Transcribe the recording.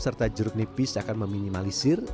serta jeruk nipis akan meminimalisir